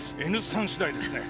Ｎ産次第ですね